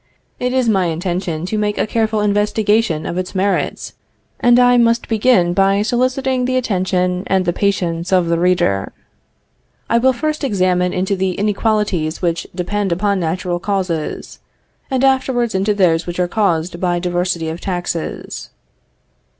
It is my intention to make a careful investigation of its merits, and I must begin by soliciting the attention and the patience of the reader. I will first examine into the inequalities which depend upon natural causes, and afterwards into those which are caused by diversity of taxes.